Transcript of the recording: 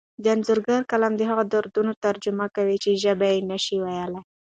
د انځورګر قلم د هغو دردونو ترجماني کوي چې ژبه یې نشي ویلی.